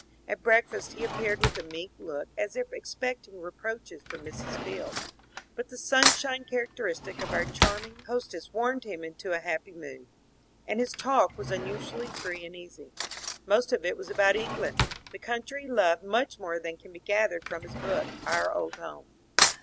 At breakfast he ap peared with a meek look as if expecting reproaches from Mrs. Fields ; but the sunshine charaoteristio of our charming host ess warmed him into a happy mood, and his talk was un usually free and easy. Most of it was about England, the country he loved much more than can be gathered from his book, ^^ Our Old Home."